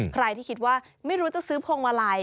ใครที่คิดว่าไม่รู้จะซื้อพวงมาลัย